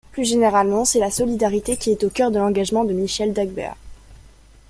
Plus généralement, c’est la solidarité qui est au cœur de l’engagement de Michel Dagbert.